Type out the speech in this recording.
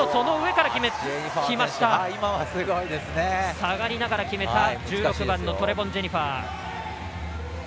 下がりながら決めた１６番、トレボン・ジェニファー。